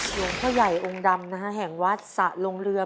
หลวงพ่อใหญ่องค์ดำนะฮะแห่งวัดสะลงเรือ